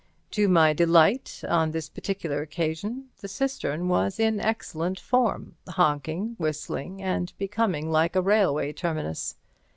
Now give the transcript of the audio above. To my delight, on this particular occasion, the cistern was in excellent form, honking, whistling and booming like a railway terminus.